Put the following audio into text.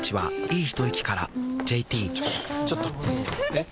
えっ⁉